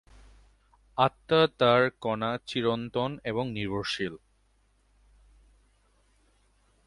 আত্মা তাঁর কণা, চিরন্তন এবং নির্ভরশীল।